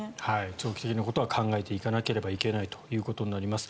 長期的なことは考えていかなければいけないということになります。